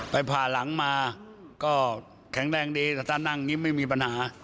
ไปพาหลังมาก็แข็งแรงดีถ้านั่งไม่มีปัญหา